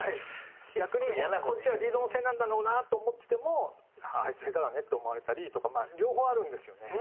逆にこっちはリードのせいなんだろうなと思ってても「あいつ下手だね」って思われたりとか両方あるんですよね。